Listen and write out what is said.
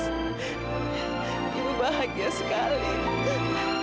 ibu bahagia sekali